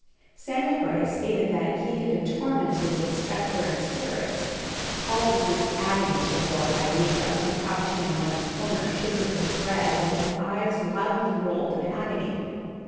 Samuel Gray stated that he had been tormented with spectres and spirits. All this was agony to the horrified negro, who, crouching in one corner, shivered with dread, while his eyes wildly rolled in agony.